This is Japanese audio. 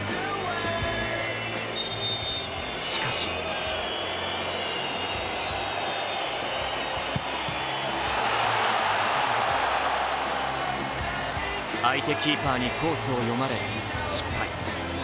しかし相手キーパーにコースを読まれ、失敗。